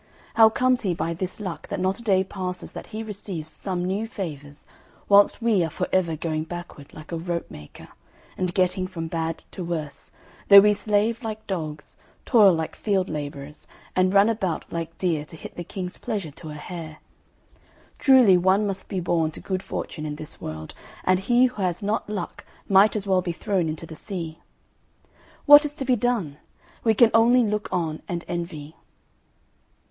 How comes he by this luck that not a day passes that he receives some new favours, whilst we are for ever going backward like a rope maker, and getting from bad to worse, though we slave like dogs, toil like field labourers, and run about like deer to hit the King's pleasure to a hair? Truly one must be born to good fortune in this world, and he who has not luck might as well be thrown into the sea. What is to be done? We can only look on and envy."